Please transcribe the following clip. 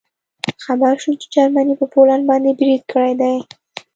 خبر شوو چې جرمني په پولنډ باندې برید کړی دی